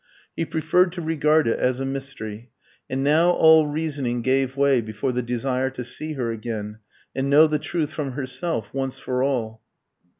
He preferred to regard it as a mystery. And now all reasoning gave way before the desire to see her again, and know the truth from herself once for all.